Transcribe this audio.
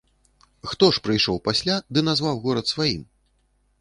Хто ж прыйшоў пасля ды назваў горад сваім?